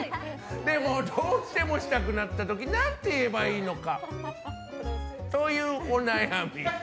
でも、どうしてもしたくなった時何て言えばいいのか？というお悩み。